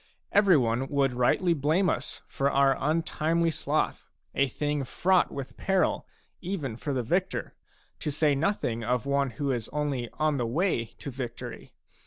Every one would rightly blame us for our untimely sloth, a thing fraught with peril even for the victor, to say nothing of one who is only on the way to victory.